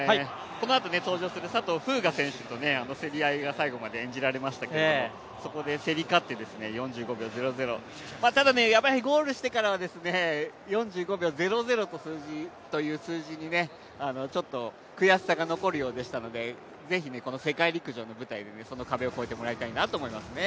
このあと登場する佐藤風雅選手と競り合いが最後まで演じられましたけれどもそこで競り勝って４５秒００ただゴールしてからは４５秒００という数字にちょっと悔しさが残るようでしたので、ぜひね、この世界陸上の舞台でその壁を越えてほしいなと思いますね。